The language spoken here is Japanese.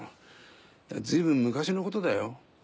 随分昔のことだよ。